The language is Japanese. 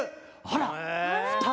あら。